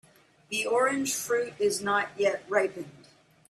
The orange fruit is not yet ripened.